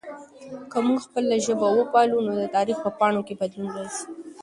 که موږ خپله ژبه وپالو نو د تاریخ په پاڼو کې بدلون راځي.